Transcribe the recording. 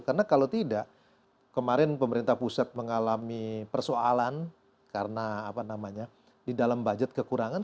karena kalau tidak kemarin pemerintah pusat mengalami persoalan karena apa namanya di dalam budget kekurangan